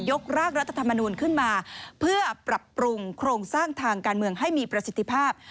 กร่างรัฐธรรมนูลขึ้นมาเพื่อปรับปรุงโครงสร้างทางการเมืองให้มีประสิทธิภาพ